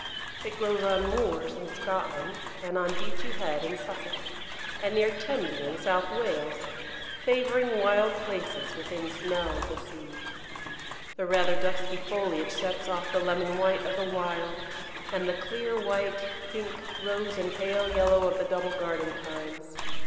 It grows on moors in Scotland, and on Beachy Head in Sussex, and near Tenby in South Wales, favouring wild places within smell of the sea. The rather dusky foliage sets off the lemon white of the wild, and the clear white, pink, rose, and pale yellow of the double garden kinds.